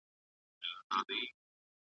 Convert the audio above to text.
لوستې نجونې مشرتابه ښيي.